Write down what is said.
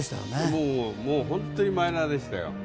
もう本当にマイナーでしたよ。